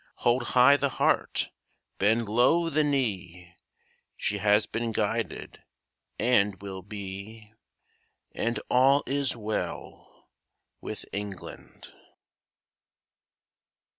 Hold high the heart! Bend low the knee! She has been guided, and will be And all is well with England.